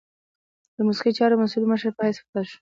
د موسیقي چارو مسؤل مشر په حیث پاته شو.